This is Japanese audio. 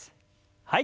はい。